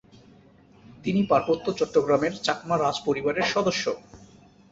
তিনি পার্বত্য চট্টগ্রামের চাকমা রাজপরিবারের সদস্য।